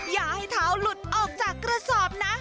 อย่าให้เท้าหลุดออกจากกระสอบนะ